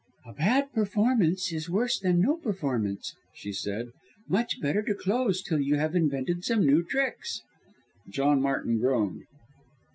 "A bad performance is worse than no performance," she said, "much better to close till you have invented some new tricks." John Martin groaned.